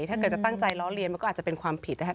ถ้าเกิดจะตั้งใจล้อเลียนมันก็อาจจะเป็นความผิดนะครับ